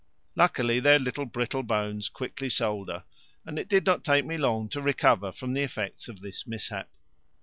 Luckily their little brittle bones quickly solder, and it did not take me long to recover from the effects of this mishap.